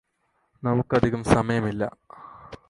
നമുക്കധികം സമയമില്ല